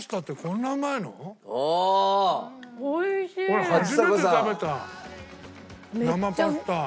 俺初めて食べた生パスタ。